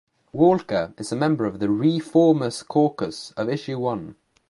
Walker is a member of the ReFormers Caucus of Issue One.